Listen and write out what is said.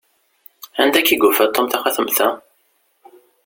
Anda akka i yufa Tom taxatemt-a?